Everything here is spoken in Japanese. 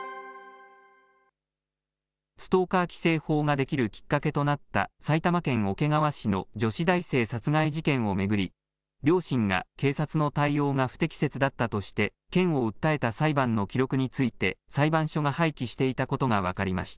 ストーカー規制法が出来るきっかけとなった、埼玉県桶川市の女子大生殺害事件を巡り、両親が警察の対応が不適切だったとして、県を訴えた裁判の記録について、裁判所が廃棄していたことが分かりました。